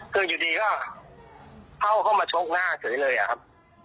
คือทุกดีเพราะว่าเขามาโชคหน้าสักหน่าเลยครับ